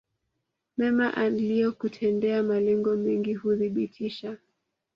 mema aliyokutendea Malengo mengi huthibitisha